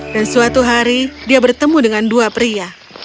dan suatu hari dia bertemu dengan dua pria